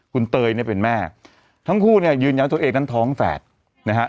คุณเตยเนี่ยเป็นแม่ทั้งคู่เนี่ยยืนยันว่าตัวเองนั้นท้องแฝดนะฮะ